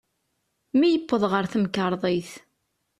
Mi yewweḍ ɣer temkerḍit.